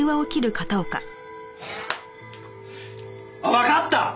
わかった！